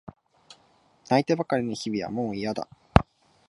泣いてばかりの日々はもういやだ。